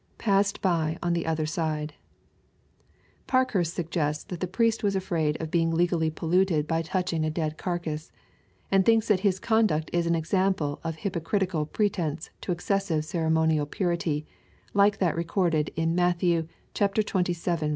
[Passed by (m Ihe other side?\ Parkhurst suggests that the Priest was ffe*aid of being legally polluted by touching a dead carcase, and thinks that his conduct is an example of hypocritical pretence to excessive ceremonial purity, like that' recorded in Matt xzvii.